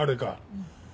うん。